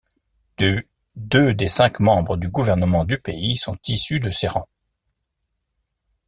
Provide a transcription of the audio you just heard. Deux des cinq membres du gouvernement du pays sont issus de ses rangs.